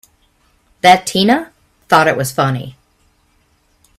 That Tina thought it was funny!